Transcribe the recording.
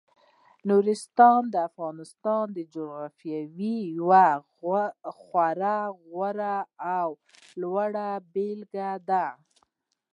نورستان د افغانستان د جغرافیې یوه خورا غوره او لوړه بېلګه ده.